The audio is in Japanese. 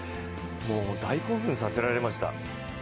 大興奮させられました。